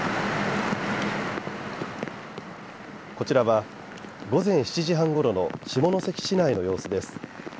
こちらは午前７時半ごろの下関市内の様子です。